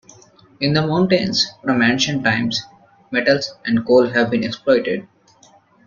In the mountains, from ancient times, metals and coal have been exploited.